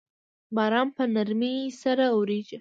باران په نرمۍ سره اوریږي